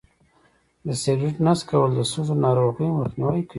د سګرټ نه څکول د سږو د ناروغۍ مخنیوی کوي.